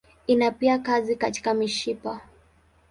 Ina pia kazi katika mishipa.